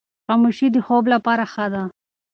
خاموشي د خوب لپاره ښه ده.